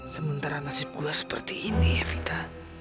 sementara nasib gue seperti ini ya vita